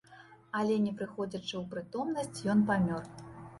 Але не прыходзячы ў прытомнасць ён памёр.